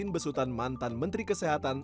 besutan mantan menteri kesehatan